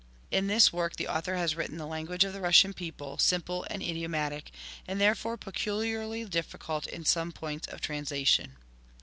In this work the Author has written the lan guage of the Russian people, simple and idiomatic, and therefore peculiarly difficult in some points of translation.